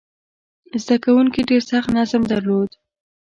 زده کوونکي ډېر سخت نظم درلود.